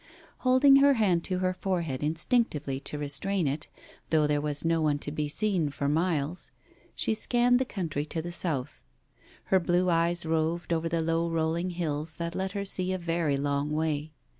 Holding her hand to her forehead instinctively to restrain it, though there was no one to be seen for miles, she scanned the country to the south. Her blue eyes roved over the low rolling hills that let her see a very long way.